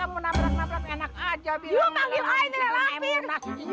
amin amin aku gak punya keluarga kayak begini nih